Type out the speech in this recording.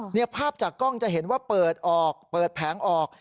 เนี่ยภาพจากกล้องจะเห็นว่าเปิดออกเปิดแผงออก